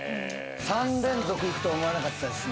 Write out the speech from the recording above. ３連続いくとは思わなかったですね。